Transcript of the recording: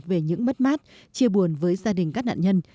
về những mất mát chia buồn với gia đình các nạn nhân